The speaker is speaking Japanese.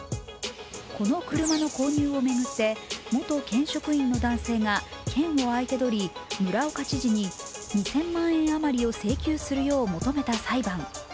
この車の購入を巡って、元県職員の男性が県を相手取り村岡知事に２０００万円余りを請求するよう求めた裁判。